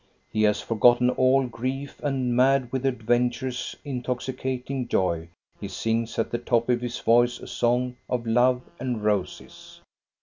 He has forgotten all grief, and mad with adventure's intoxicating joy, he sings at the top of his voice a song of love 'and roses.